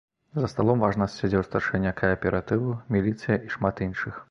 За сталом важна сядзеў старшыня кааператыву, міліцыя і шмат іншых.